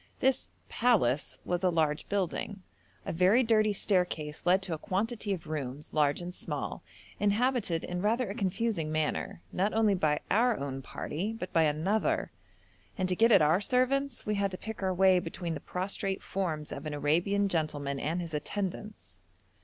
This 'palace' was a large building; a very dirty staircase led to a quantity of rooms, large and small, inhabited in rather a confusing manner, not only by our own party, but by another, and to get at our servants we had to pick our way between the prostrate forms of an Arabian gentleman and his attendants.